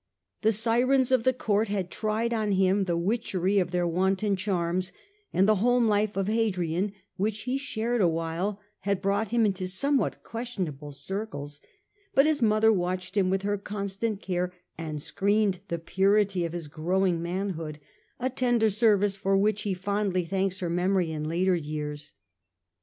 The sirens of the court had tried on him the witchery of their wanton charms, and the home life of Hadrian, which he shared awhile, had brought him into somewhat questionable circles ; but his mother watched him with her constant care, and screened the purity of his growing manhood — a tender service for which he fondly thanks her memory in later years.